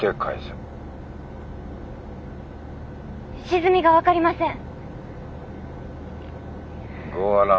沈みが分かりません。